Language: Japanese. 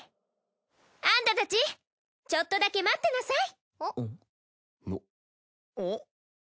アンタたちちょっとだけ待ってなさい。